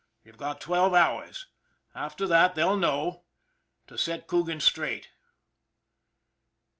You've got twelve hours after that they'll know to set Coogan straight."